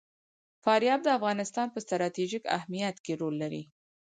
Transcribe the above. فاریاب د افغانستان په ستراتیژیک اهمیت کې رول لري.